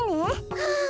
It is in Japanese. はあ。